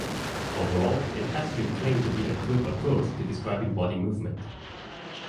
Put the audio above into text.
Overall, it has been claimed to be a good approach to describing body movement.